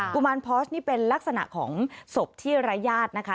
ุมารพอสนี่เป็นลักษณะของศพที่ระยาทนะคะ